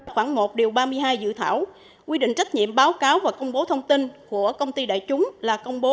khoảng một điều ba mươi hai dự thảo quy định trách nhiệm báo cáo và công bố thông tin của công ty đại chúng là công bố